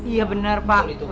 iya benar pak